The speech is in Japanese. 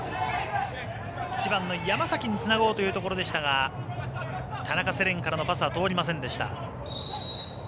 山崎につなごうというところでしたが田中世蓮からのパスは通りませんでした。